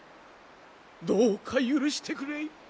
どうか許してくれい。